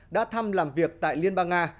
đã thăm làm việc tại liên bang nga